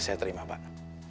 ya saya terima pak